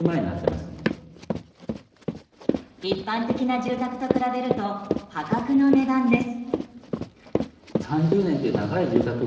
一般的な住宅と比べると破格の値段です。